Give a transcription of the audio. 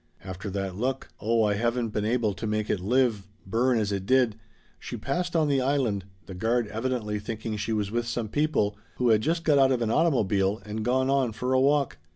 After that look oh I haven't been able to make it live burn as it did she passed on the Island, the guard evidently thinking she was with some people who had just got out of an automobile and gone on for a walk.